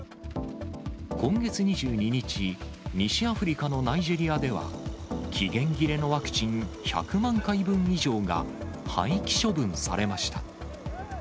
今月２２日、西アフリカのナイジェリアでは、期限切れのワクチン１００万回分以上が、廃棄処分されました。